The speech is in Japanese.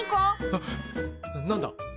あっ何だ？